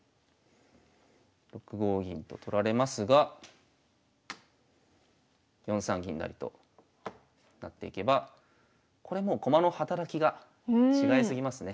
６五銀と取られますが４三銀成となっていけばこれもう駒の働きが違いすぎますね。